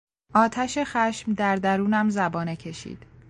آتش خشم در درونم زبانه کشید.